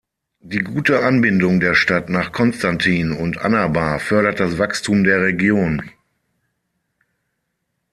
Die gute Anbindung der Stadt nach Constantine und Annaba fördert das Wachstum der Region.